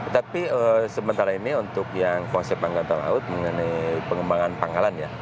tapi sementara ini untuk yang konsep angkatan laut mengenai pengembangan pangkalan ya